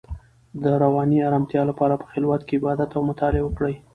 د رواني ارامتیا لپاره په خلوت کې عبادت او مطالعه وکړئ.